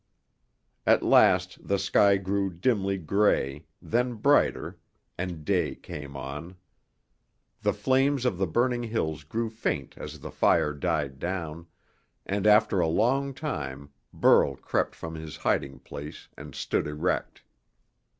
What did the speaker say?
At last the sky grew dimly gray, then brighter, and day came on. The flames of the burning hills grew faint as the fire died down, and after a long time Burl crept from his hiding place and stood erect.